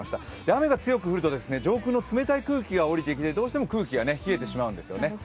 雨が強く降ると上空の冷たい空気が下りてきてどうしても空気が冷えてしまうんですよね。